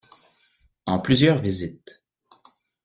En plusieurs visites.